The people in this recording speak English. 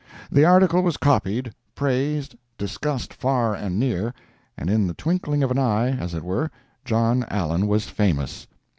The article was copied, praised, discussed far and near, and in the twinkling of an eye, as it were, John Allen was famous.